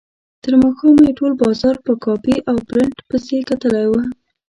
تر ماښامه یې ټول بازار په کاپي او پرنټ پسې کتلی و.